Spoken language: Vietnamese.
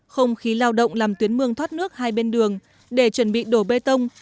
không khí lao động làm tuyến mương thoát nước hai bên đường để chuẩn bị đổ bê tông